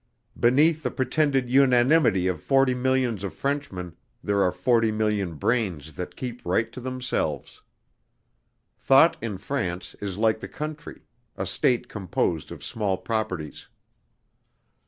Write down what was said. Beneath the pretended unanimity of forty millions of Frenchmen there are forty million brains that keep right to themselves. Thought in France is like the country, a state composed of small properties.